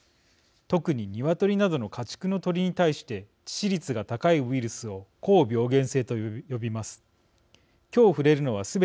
特に鶏などの家畜の鳥に対して致死率が高いウイルスを高病原性と呼びます。